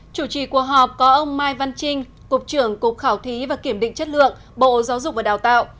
chủ trì cuộc họp có ông mai văn trinh cục trưởng cục khảo thí và kiểm định chất lượng bộ giáo dục và đào tạo